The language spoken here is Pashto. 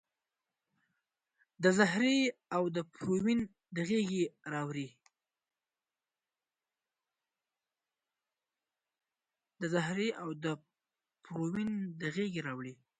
د زهرې او د پروین د غیږي راوړي